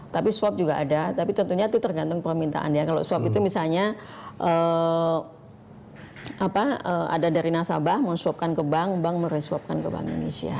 tapi swab juga ada tapi tentunya itu tergantung permintaan ya kalau swab itu misalnya ada dari nasabah mau swabkan ke bank bank mereswabkan ke bank indonesia